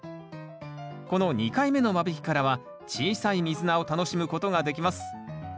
この２回目の間引きからは小さいミズナを楽しむことができます。